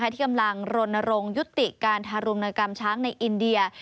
ที่กำลังรณรงค์ยุติการทารุณกรรมช้างในอินเดีย